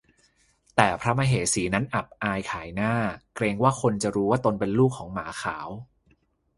แต่พระมเหสีนั้นอับอายขายหน้าเกรงว่าคนจะรู้ว่าตนเป็นลูกของหมาขาว